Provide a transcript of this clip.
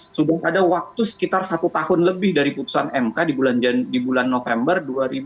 sudah ada waktu sekitar satu tahun lebih dari putusan mk di bulan november dua ribu dua puluh